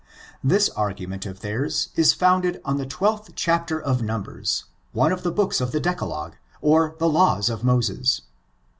This argument of theirs is founded on the twelfth chapter of Num bers, one of the books of the Decalogue, or the laws of Moses.